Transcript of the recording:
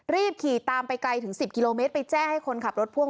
รีบขี่ตามไปไกลถึง๑๐กิโลเมตรไปแจ้งให้คนขับรถพ่วง